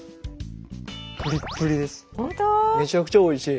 めちゃくちゃおいしい。